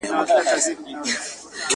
چي په لار کي ترابان نه یې وژلی `